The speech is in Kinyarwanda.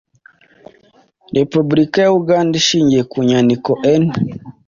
repubulika ya uganda. ishingiye ku nyandiko n